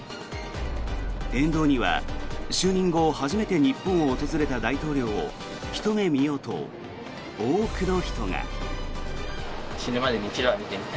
沿道には、就任後初めて日本を訪れた大統領をひと目見ようと多くの人が。